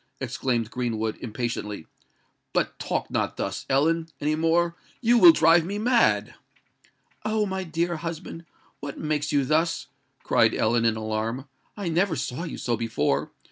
exclaimed Greenwood, impatiently. "But talk not thus, Ellen, any more: you will drive me mad!" "Oh! my dear husband, what makes you thus?" cried Ellen, in alarm: "I never saw you so before.